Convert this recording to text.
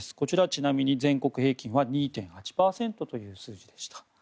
ちなみに全国平均は２．８％という数字でした。